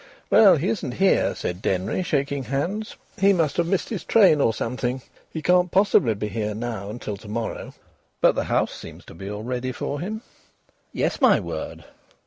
"Well, he isn't here," said Denry, shaking hands. "He must have missed his train or something. He can't possibly be here now till to morrow. But the house seems to be all ready for him...." "Yes, my word!